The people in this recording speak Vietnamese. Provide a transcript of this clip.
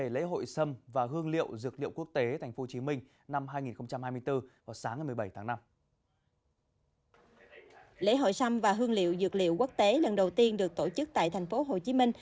lễ hội sâm và hương liệu dược liệu quốc tế lần đầu tiên được tổ chức tại thành phố hồ chí minh